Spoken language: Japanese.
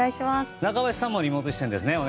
中林さんもリモート出演です。